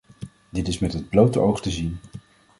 Dat is met het blote oog te zien.